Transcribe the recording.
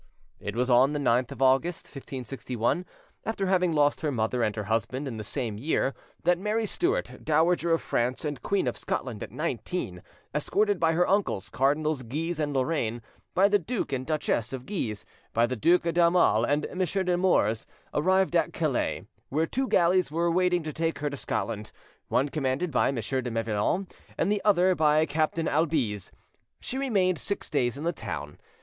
It was on the 9th of August, 1561, after having lost her mother and her husband in the same year, that Mary Stuart, Dowager of France and Queen of Scotland at nineteen, escorted by her uncles, Cardinals Guise and Lorraine, by the Duke and Duchess of Guise, by the Duc d'Aumale and M. de Nemours, arrived at Calais, where two galleys were waiting to take her to Scotland, one commanded by M. de Mevillon and the other by Captain Albize. She remained six days in the town.